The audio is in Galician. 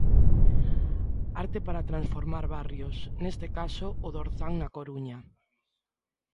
Arte para transformar barrios, neste caso o do Orzán na Coruña.